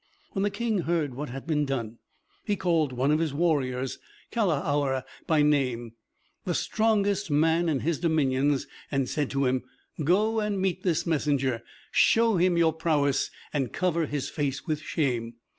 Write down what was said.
When the King heard what had been done, he called one of his warriors, Kalahour by name, the strongest man in his dominions, and said to him, "Go and meet this messenger; show him your prowess, and cover his face with shame."